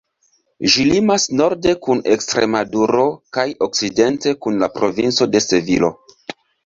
Ĝi limas norde kun Ekstremaduro kaj okcidente kun la provinco de Sevilo.